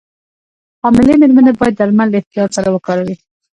حاملې مېرمنې باید درمل له احتیاط سره وکاروي.